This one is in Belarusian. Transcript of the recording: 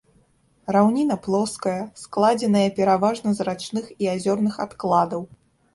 Раўніна плоская, складзеная пераважна з рачных і азёрных адкладаў.